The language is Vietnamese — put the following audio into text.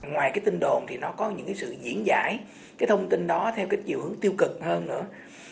ngoài cái tin đồn thì nó có những cái sự diễn giải cái thông tin đó theo cái chiều hướng tiêu cực hơn nữa